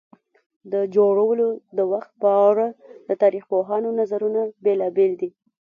د جوړولو د وخت په اړه د تاریخ پوهانو نظرونه بېلابېل دي.